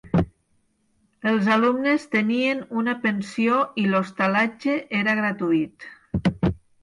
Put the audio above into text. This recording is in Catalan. Els alumnes tenien una pensió i l'hostalatge era gratuït.